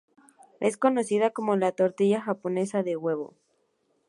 Es conocida como la tortilla japonesa de huevo.